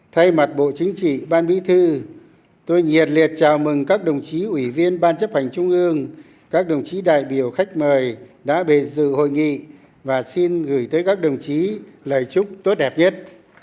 thay mặt bộ chính trị ban bí thư tôi nhiệt liệt chào mừng các đồng chí ủy viên ban chấp hành trung ương các đồng chí đại biểu khách mời đã về dự hội nghị và xin gửi tới các đồng chí lời chúc tốt đẹp nhất